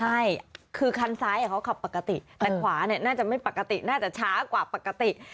ใช่คือคันซ้ายเขาขับปกติแต่ขวาเนี่ยน่าจะไม่ปกติน่าจะช้ากว่าปกติ